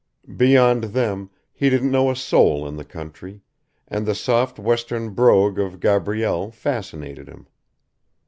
Beyond them he didn't know a soul in the country, and the soft western brogue of Gabrielle fascinated him.